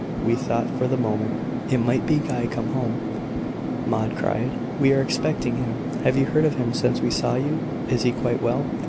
"We thought for the moment it might be Guy come home," Maud cried. "We are expecting him. Have you heard of him since we saw you? Is he quite well?"